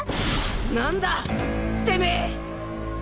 何だてめぇ！？